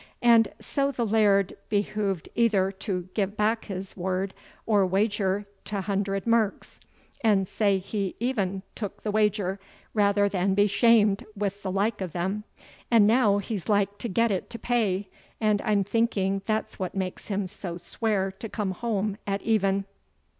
An' so the Laird behoved either to gae back o' his word, or wager twa hunder merks; and sa he e'en tock the wager, rather than be shamed wi' the like o' them. And now he's like to get it to pay, and I'm thinking that's what makes him sae swear to come hame at e'en."